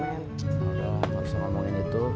udah gak usah ngomongin itu